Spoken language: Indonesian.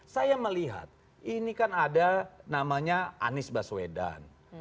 saya melihat ini kan ada namanya anies baswedan